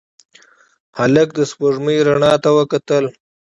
هلک د سپوږمۍ رڼا ته وکتل.